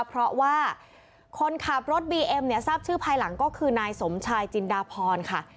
เพราะว่าคนขับรถบีเอ็มเนี่ยทราบชื่อภายหลังก็คือนายสมชายจินดาพรค่ะ